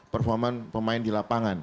performan pemain di lapangan